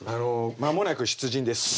間もなく出陣です。